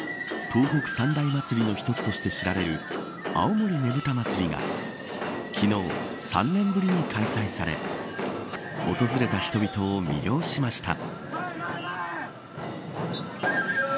東北三大祭りの一つとして知られる青森ねぶた祭が昨日、３年ぶりに開催され訪れた人々を魅了しました。